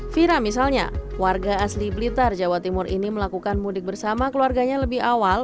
fira misalnya warga asli blitar jawa timur ini melakukan mudik bersama keluarganya lebih awal